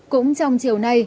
cũng trong chiều nay